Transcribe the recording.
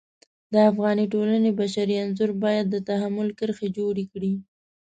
د افغاني ټولنې بشري انځور باید د تحمل کرښې جوړې کړي.